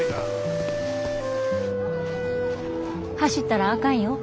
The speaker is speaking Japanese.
走ったらあかんよ。